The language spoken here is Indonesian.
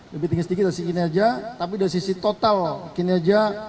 lebih tinggi sedikit dari sisi kinerja tapi dari sisi total kinerja